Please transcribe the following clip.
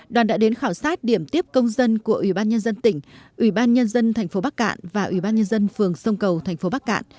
đoàn đã đến khảo sát điểm tiếp công dân của ủy ban nhân dân tỉnh ủy ban nhân dân tp bắc cạn và ủy ban nhân dân phường sông cầu tp bắc cạn